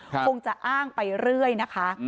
คงจะอ้างไปเรื่อยนะคะ